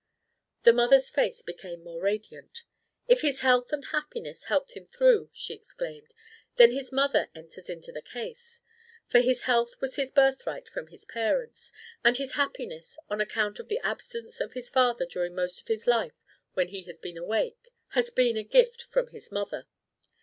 The mother's face became more radiant. "If his health and happiness helped him through," she exclaimed, "then his mother enters into the case; for his health was his birthright from his parents; and his happiness on account of the absence of his father during most of his life when he has been awake has been a gift from his mother.